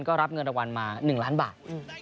ก็รับเงินรางวัลมา๑ล้านบาท